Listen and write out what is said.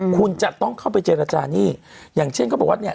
คุณจะต้องเข้าไปเจรจาหนี้อย่างเช่นเขาบอกว่าเนี่ย